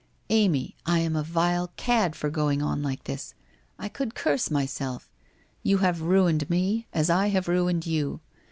' Amy, I am a vile cad for going on like this. I could curse myself. You have ruined me, as I have ruined you.